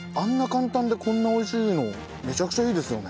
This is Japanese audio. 簡単でこんな美味しいのめちゃくちゃいいですよね。